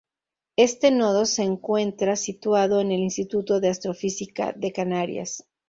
Este nodo se encuentra situado en el Instituto de Astrofísica de Canarias.